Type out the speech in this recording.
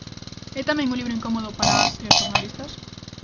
É tamén un libro incómodo para as e os xornalistas?